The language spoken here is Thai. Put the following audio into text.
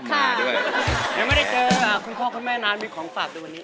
ยังไม่ได้เจอคุณพ่อคุณแม่นานมีของฝากในวันนี้